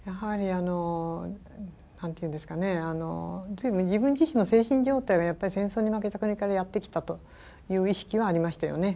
随分自分自身の精神状態が戦争に負けた国からやって来たという意識はありましたよね。